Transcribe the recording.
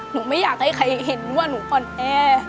ไม่อยากให้ใครเห็นว่าหนูอ่อนแอ